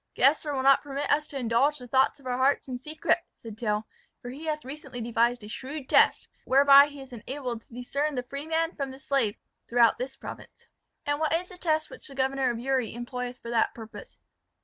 "Gessler will not permit us to indulge the thoughts of our hearts in secret," said Tell; "for he hath recently devised a shrewd test, whereby he is enabled to discern the freeman from the slave throughout this province." "And what is the test which the governor of Uri employeth for that purpose?"